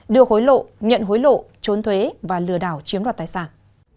đưa hối lộ nhận hối lộ trốn thuế và lừa đảo chiếm đoạt tài sản